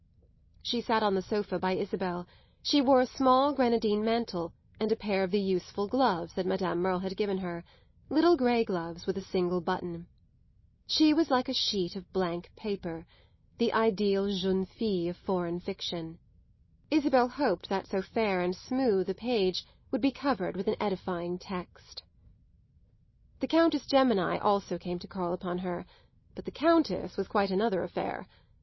She sat on the sofa by Isabel; she wore a small grenadine mantle and a pair of the useful gloves that Madame Merle had given her little grey gloves with a single button. She was like a sheet of blank paper the ideal jeune fille of foreign fiction. Isabel hoped that so fair and smooth a page would be covered with an edifying text. The Countess Gemini also came to call upon her, but the Countess was quite another affair.